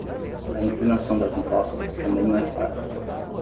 A inclinação das encostas também não é clara.